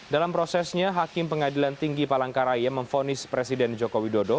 dalam prosesnya hakim pengadilan tinggi palangkaraya memfonis presiden joko widodo